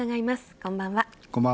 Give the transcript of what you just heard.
こんばんは。